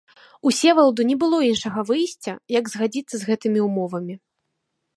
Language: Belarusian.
Усеваладу не было іншага выйсця, як згадзіцца з гэтымі ўмовамі.